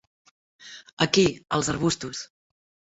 Aquí, als arbustos.